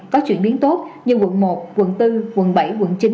có chuyển biến tốt như quận một quận bốn quận bảy quận chín